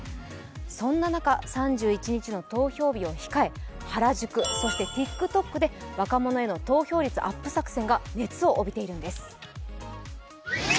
そんな中、３１日の投票日を控え原宿、そしてＴｉｋＴｏｋで若者への投票率のアップ作戦が熱を帯びているんです。